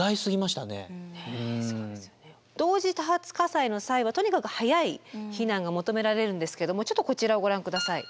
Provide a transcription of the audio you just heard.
同時多発火災の際はとにかく早い避難が求められるんですけどちょっとこちらをご覧ください。